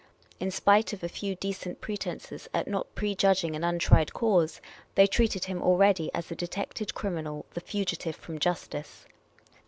In spite of a few decent pretences at not prejudging an untried cause, they treated him already as the detected criminal, the fugitive from justice.